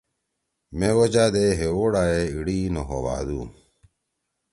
مے وجہ دے ہے ووٹا ئے ایِڑی نہ ہو بھادُو